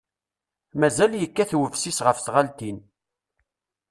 Mazal yekkat websis ɣef tɣaltin.